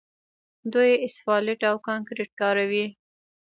دوی اسفالټ او کانکریټ کاروي.